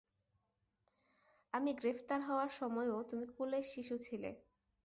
আমি গ্রেফতার হওয়ার সময়ও তুমি কোলের শিশু ছিলে।